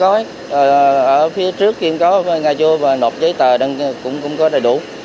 ở phía trước cũng có ngai chô và nộp giấy tờ cũng có đầy đủ